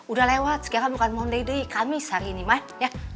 udah lewat sekarang bukan money day kamis hari ini mat ya